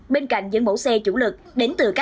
bên cạnh những mẫu xe chủ lực